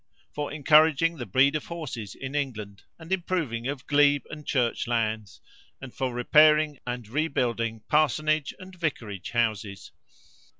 For encouraging the breed of horses in England, and improving of glebe and church lands, and for repairing and rebuilding parsonage and vicarage houses.